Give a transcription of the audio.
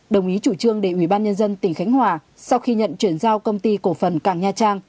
đồng ý chủ trương để ủy ban nhân dân tỉnh khánh hòa sau khi nhận chuyển giao công ty cổ phần cảng nha trang